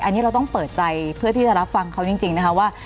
อันนี้เราต้องเปิดใจเพื่อที่จะรับฟังเขาจริงนะคะว่า